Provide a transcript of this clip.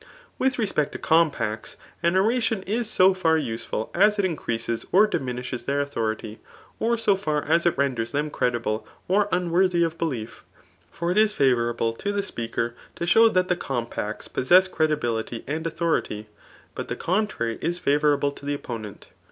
^With respect to compacts, an oraticm is so far useful as it increases or diminishes [their authority ;3 or soht as it renders them credible, or unworthy of beKef. 9ot k is fevourable to the speaker to sfebw that the compacts possess cre<fibiKty and authority; but the contrary is favourable to the opponent.